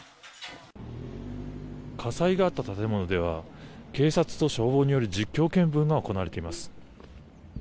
火災があった建物では警察と消防による実況見分が行われています。